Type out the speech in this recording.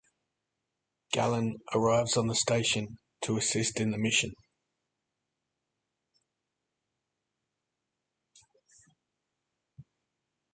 Galen arrives on the station to assist in the mission.